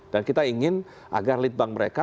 dan kita ingin agar lidbang mereka